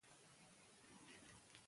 واکسن د وبا د څلورمې څپې د کمولو وسیله ده.